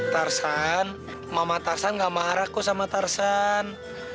tarzan mama tarzan gak marah kok sama tarzan